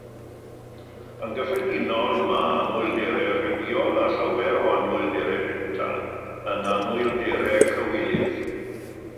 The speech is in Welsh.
Yn gyffredinol, mae anhwylderau rhywiol a llawer o anhwylderau bwyta yn anhwylderau cywilydd.